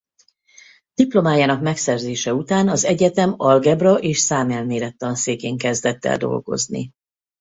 Diplomájának megszerzése után az egyetem algebra és számelmélet tanszékén kezdett el dolgozni.